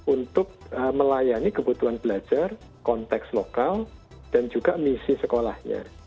untuk melayani kebutuhan belajar konteks lokal dan juga misi sekolahnya